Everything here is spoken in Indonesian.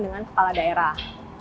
dengan kepala daerah